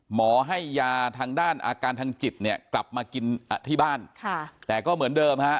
หมอให้ยาทางด้านอาการทางจิตเนี่ยกลับมากินที่บ้านค่ะแต่ก็เหมือนเดิมฮะ